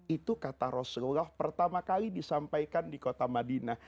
itu kata rasulullah pertama kali disampaikan di kota madinah